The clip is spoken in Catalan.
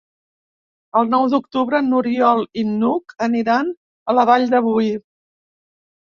El nou d'octubre n'Oriol i n'Hug aniran a la Vall de Boí.